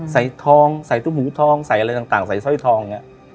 ใส่ทองใส่ตู้หมูทองใส่อะไรต่างใส่ซ้อยทอง